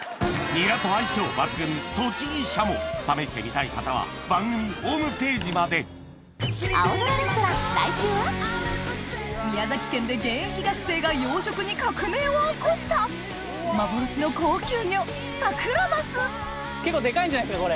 ニラと相性抜群試してみたい方は番組ホームページまで宮崎県で現役学生が養殖に革命を起こした⁉幻の高級魚サクラマス結構デカいんじゃないですか？